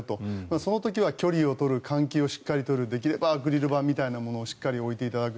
その時は距離を取る換気をしっかりするできればアクリル板みたいなものをしっかり置いていただく。